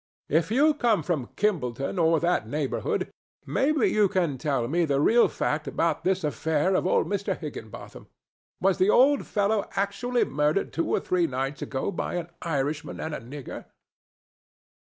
"If you come from Kimballton or that neighborhood, maybe you can tell me the real fact about this affair of old Mr. Higginbotham. Was the old fellow actually murdered two or three nights ago by an Irishman and a nigger?"